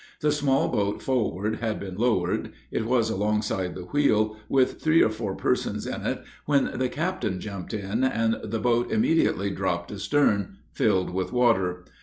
The small boat forward had been lowered. It was alongside the wheel, with three or four persons in it, when the captain jumped in, and the boat immediately dropped astern, filled with water.